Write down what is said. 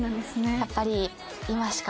やっぱり。